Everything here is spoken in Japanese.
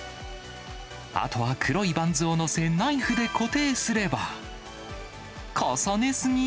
あとは黒いバンズを載せ、ナイフで固定すれば、重ねすぎ？